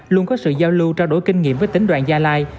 luôn có sự giao lưu trao đổi kinh nghiệm với tỉnh đoàn gia lai